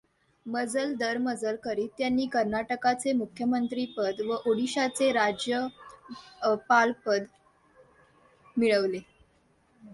मजल दरमजल करीत त्यांनी कर्नाटकचे मुख्यमंत्रीपद व ओडिशाचे राज्यपालपद मिळवले.